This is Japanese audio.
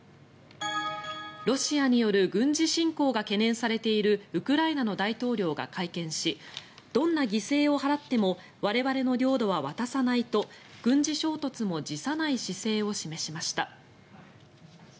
ロシアによる軍事侵攻が懸念されているウクライナの大統領が会見しどんな犠牲を払っても我々の領土は渡さないと軍事衝突も辞さない姿勢を示しました。